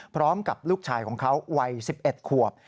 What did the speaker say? พร้อมกับลูกชายของเขาวัย๑๑ขวบ